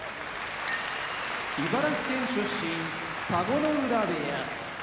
茨城県出身田子ノ浦部屋